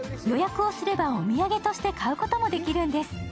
予約をすればお土産として買うこともできるんです。